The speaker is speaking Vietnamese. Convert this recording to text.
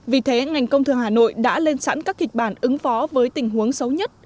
vì thế ngành công thương hà nội đã lên sẵn các kịch bản ứng phó với tình huống xấu nhất